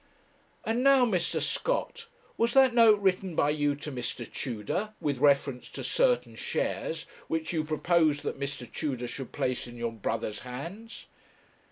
'And now, Mr. Scott was that note written by you to Mr. Tudor, with reference to certain shares, which you proposed that Mr. Tudor should place in your brother's hands?